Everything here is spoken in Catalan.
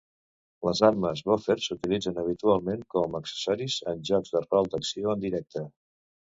Les armes Boffer s'utilitzen habitualment com a accessoris en jocs de rol d'acció en directe.